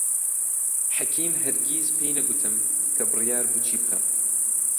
حەکیم هەرگیز پێی نەگوتم کە بڕیار بوو چی بکەم.